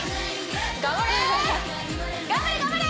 頑張れ！